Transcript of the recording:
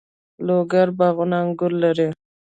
د لوګر باغونه انګور لري.